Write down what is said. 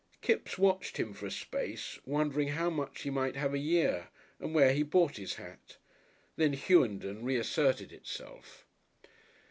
Kipps watched him for a space, wondering how much he might have a year, and where he bought his hat. Then "Hughenden" reasserted itself.